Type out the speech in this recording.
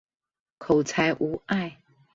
口才無礙